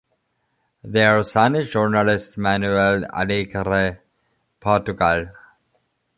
Their son is journalist Manuel Alegre Portugal.